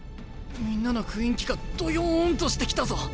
みんなの雰囲気がどよんとしてきたぞ。